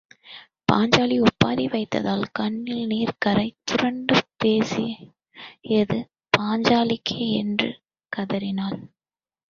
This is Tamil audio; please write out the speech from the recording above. பாஞ்சாலி ஒப்பாரிவைத்தாள் கண்களில் நீர் கரை புரண்டு பேசியது பாஞ்சாலி கோ என்று கதறினாள்.